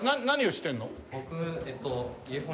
僕。